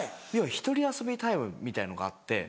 １人遊びタイムみたいのがあって。